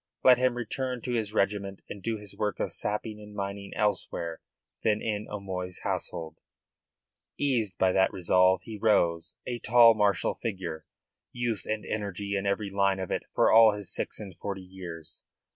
Let him return to his regiment and do his work of sapping and mining elsewhere than in O'Moy's household. Eased by that resolve he rose, a tall, martial figure, youth and energy in every line of it for all his six and forty years.